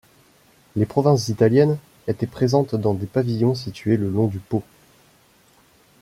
Les provinces italiennes étaient présentes dans des pavillons situés le long du Pô.